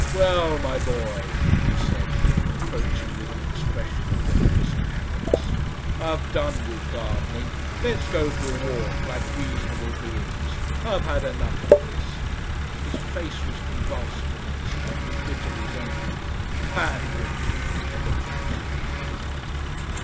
"Well, my boy," he said, approaching with an expression of beneficent happiness, "I've done with gardening. Let's go for a walk like reasonable beings. I've had enough of this" his face was convulsed for an instant with bitter resentment "Pandering to cabbages."